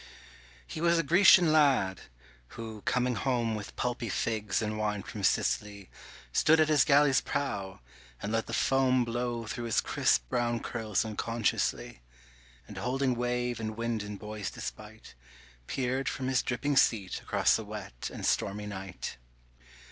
HE was a Grecian lad, who coming home With pulpy figs and wine from Sicily Stood at his galley's prow, and let the foam Blow through his crisp brown curls unconsciously, And holding wave and wind in boy's despite Peered from his dripping seat across the wet and stormy night.